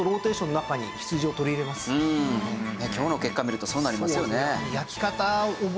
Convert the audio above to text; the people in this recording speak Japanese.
今日の結果見るとそうなりますよね。